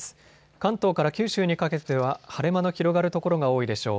関東から九州にかけては晴れ間の広がる所が多いでしょう。